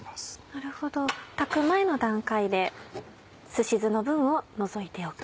なるほど炊く前の段階ですし酢の分を除いておく。